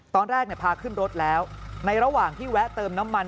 ตอนแรกพาขึ้นรถแล้วในระหว่างที่แวะเติมน้ำมัน